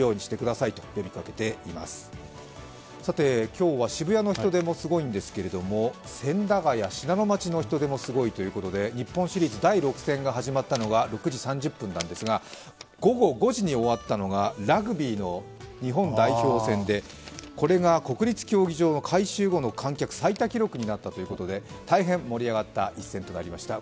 今日は渋谷の人出もすごいんですけれども、千駄ヶ谷、信濃町の人出もすごいということで日本シリーズ第６戦が始まったのが６時３０分ですが午後５時に終わったのがラグビーの日本代表戦でこれが国立競技場の改修後の観客最多記録になったということで大変盛り上がった一戦となりました。